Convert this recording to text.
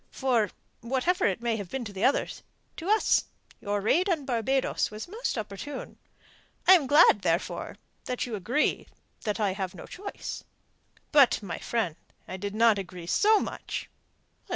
For, whatever it may have been to others, to us your raid upon Barbados was most opportune. I am glad, therefore, that you agree the I have no choice." "But, my friend, I did not agree so much."